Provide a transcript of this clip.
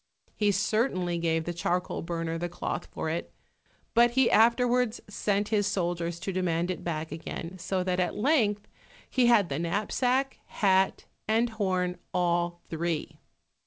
He certainly gave the charcoal burner the cloth for it, but he afterwards sent his soldiers to demand it back again, so that at length he had the knapsack, hat and horn, all three.